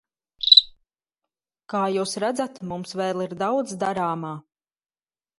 Kā jūs redzat, mums vēl ir daudz darāmā.